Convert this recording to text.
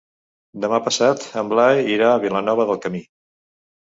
Demà passat en Blai irà a Vilanova del Camí.